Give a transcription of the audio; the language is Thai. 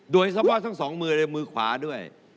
โดยสมมติทั้งสองมือมือขวาด้วย